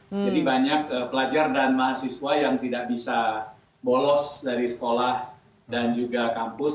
jadi banyak pelajar dan mahasiswa yang tidak bisa bolos dari sekolah dan juga kampus